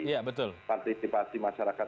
iya betul partisipasi masyarakat